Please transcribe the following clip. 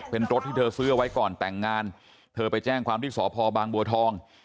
เป็นรถที่เธอซื้อเอาไว้ก่อนแต่งงานเธอไปแจ้งความที่สพบางบัวทอง